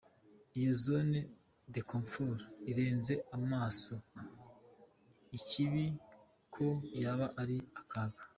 Iyo zone de confort irenza amaso ikibi ko yaba ari akaga !